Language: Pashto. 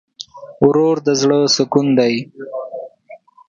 ورور د زړه سکون دی.